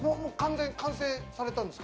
完成されたんですか？